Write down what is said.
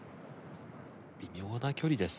微妙な距離です。